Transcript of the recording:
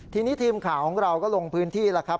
ทีนี้ทีมข่าวของเราก็ลงพื้นที่แล้วครับ